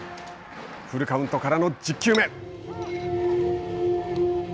フルカウントからの１０球目。